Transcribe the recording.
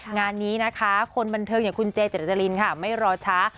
งานนี้นะคะคนบันเทิงอย่างคุณเจเจรจรินค่ะไม่รอช้า